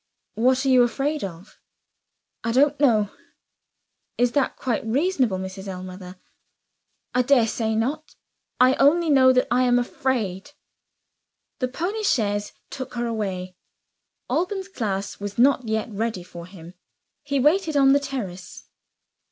"What are you afraid of?" "I don't know." "Is that quite reasonable, Mrs. Ellmother?" "I daresay not. I only know that I am afraid." The pony chaise took her away. Alban's class was not yet ready for him. He waited on the terrace.